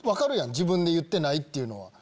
自分で言ってないっていうのは。